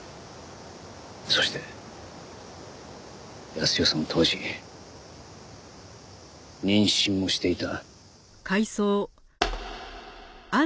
そして泰代さんは当時妊娠もしていた。